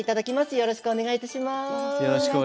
よろしくお願いします。